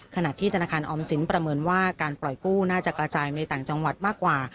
ขณะที่ธนาคารออมสินประเมินว่าการปล่อยกู้น่าจะกระจายในต่างจังหวัดมากกว่า